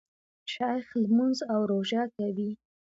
شیخ لمونځ او روژه کوي.